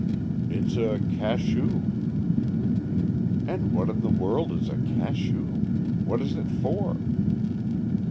"It's a cachou." "And what in the world is a cachou? What is it for?"